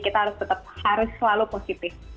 kita harus tetap harus selalu positif